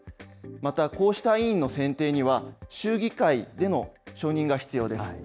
また、こうした委員の選定には、州議会での承認が必要です。